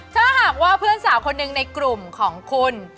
ถ้าหากว่าเพื่อนสาวคนหนึ่งในกลุ่มของคุณ